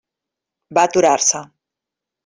Va aturar-se.